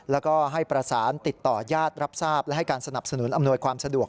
แล้วก็ให้ประสานติดต่อญาติรับทราบและให้การสนับสนุนอำนวยความสะดวก